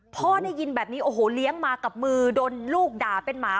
พ่อได้ยินแบบนี้โอ้โหเลี้ยงมากับมือโดนลูกด่าเป็นหมา